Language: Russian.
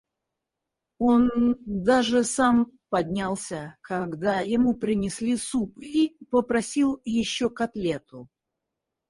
Он даже сам поднялся, когда ему принесли суп, и попросил еще котлету.